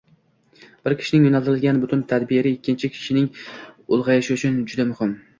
Bir kishining yo’naltirilgan butun tadbiri ikkinchi bir kishining ulg’ayishi uchun juda muhim.